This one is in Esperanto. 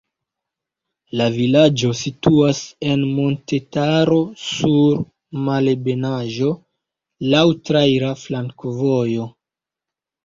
La vilaĝo situas en montetaro sur malebenaĵo, laŭ traira flankovojo.